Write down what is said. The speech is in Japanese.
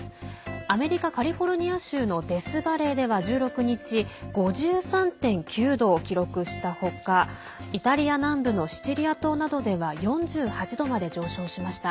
アメリカ・カリフォルニア州のデスバレーでは１６日、５３．９度を記録した他イタリア南部のシチリア島などでは４８度まで上昇しました。